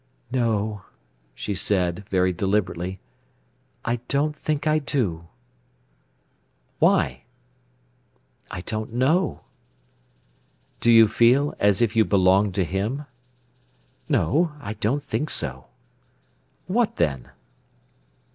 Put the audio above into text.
"No," she said, very deliberately; "I don't think I do." "Why?" "I don't know." "Do you feel as if you belonged to him?" "No; I don't think so." "What, then?"